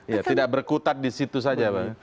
iya tidak berkutat di situ saja